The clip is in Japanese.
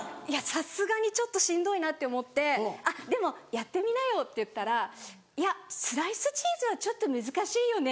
さすがにちょっとしんどいなって思って「でもやってみなよ」って言ったら「いやスライスチーズはちょっと難しいよね」